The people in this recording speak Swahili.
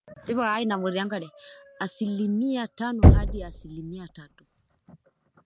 Asilimia tano hadi asilimia tatu